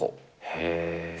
へえ。